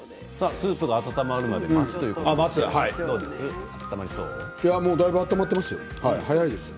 スープが温まるまで待つということですけどどうですか？